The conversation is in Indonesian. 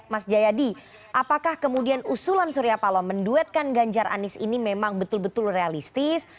mas jayadi apakah kemudian usulan surya paloh menduetkan ganjar anies ini memang betul betul realistis